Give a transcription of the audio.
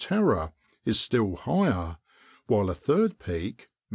Terror, is still higher; while a third peak, Mt.